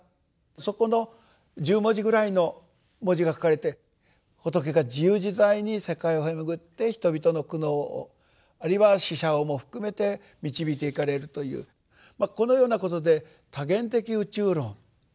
そこの１０文字ぐらいの文字が書かれて仏が自由自在に世界を経巡って人々の苦悩をあるいは死者をも含めて導いていかれるというこのようなことで多元的宇宙論。